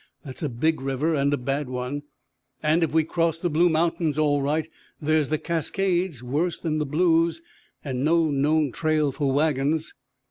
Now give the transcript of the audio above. That's a big river, and a bad one. And if we crossed the Blue Mountains all right, there's the Cascades, worse than the Blues, and no known trail for wagons."